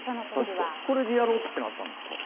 これでやろうってなったんですか？